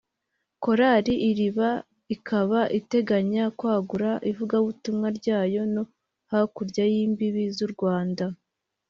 Korali Iriba ikaba iteganya kwagura ivugabutumwa ryayo no hakurya y’imbibi z’u Rwanda